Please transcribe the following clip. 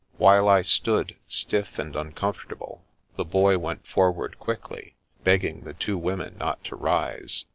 While I stood, stiff and uncomfortable, the Boy went forward quickly, begging the two women not to rise.